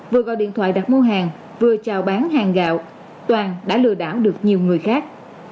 vừa gọi điện thoại đặt mua hàng vừa chào bán hàng gạo toàn đã lừa đảo được nhiều người khác